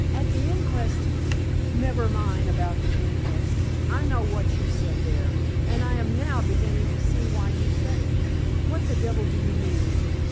At the inquest " "Never mind about the inquest. I know what you said there, and I am now beginning to see why you said it." "What the devil do you mean?"